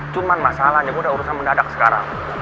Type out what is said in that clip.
cuman masalahnya bu udah urusan mendadak sekarang